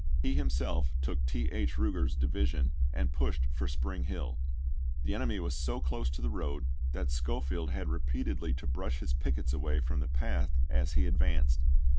He himself took T. H. Euger's division, and pushed for Spring Hill. The enemy was so close to the road that Schofield had repeatedly to brush his pickets away from the path as he advanced.